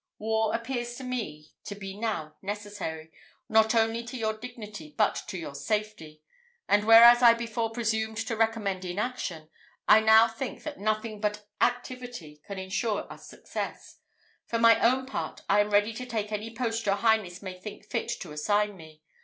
War appears to me to be now necessary, not only to your dignity, but to your safety; and whereas I before presumed to recommend inaction, I now think that nothing but activity can insure us success. For my own part, I am ready to take any post your highness may think fit to assign me.